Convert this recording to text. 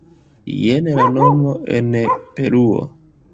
Jen la nomo en Peruo.